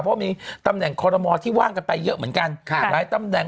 เพราะมีตำแหน่งโครโลมอล์ที่ว่างกันไปเยอะเหมือนกัน